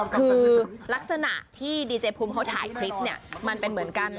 คือลักษณะที่ดีเจภูมิเขาถ่ายคลิปเนี่ยมันเป็นเหมือนกัน